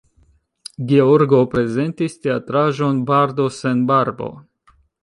Georgo prezentis teatraĵon "Bardo sen Barbo".